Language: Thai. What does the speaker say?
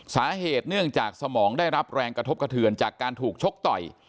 สาเหตุเนื่องจากสมองได้รับแรงกระทบกระเทือนจากการถูกชกต่อย